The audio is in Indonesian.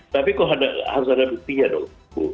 tapi kok harus ada buktinya dong